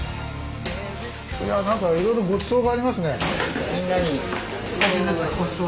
何かいろいろごちそうがありますね！